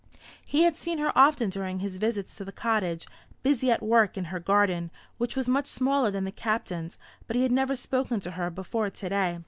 He had seen her often during his visits to the cottage, busy at work in her garden, which was much smaller than the Captain's, but he had never spoken to her before to day.